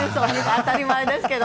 当たり前ですけど。